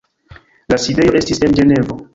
La sidejo estis en Ĝenevo.